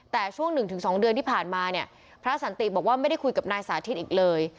แต่ช่วง๑๒เดือนที่ผ่านมาเนี่ยพระสันติบอกว่าไม่ได้คุยกับนายสาธิตอีกเลย